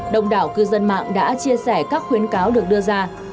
đông đảo cư dân mạng đã chia sẻ các khuyến cáo được đưa ra